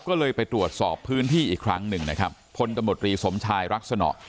ก็เลยไปตรวจสอบพื้นที่อีกครั้งหนึ่งนะครับพลตำรวจรีสมชายรักษณะ